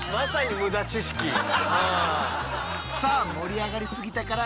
さあ盛り上がりすぎたから